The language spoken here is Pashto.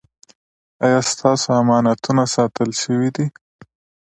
ایا ستاسو امانتونه ساتل شوي دي؟